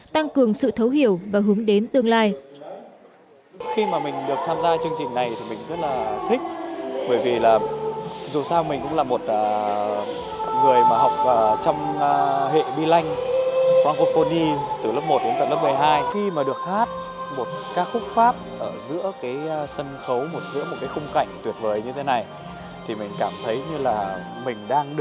tăng cường sự thấu hiểu và hướng đến tương lai